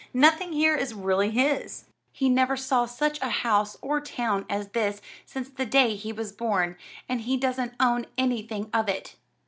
Nothing here is really his. He never saw such a house or town as this since the day he was born, and he doesn't own anything of it.